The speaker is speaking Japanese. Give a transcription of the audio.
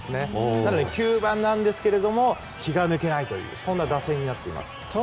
なので、９番なんですが気が抜けないという打線です。